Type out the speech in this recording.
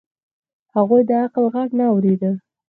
هغوی د عقل غږ نه اورېد.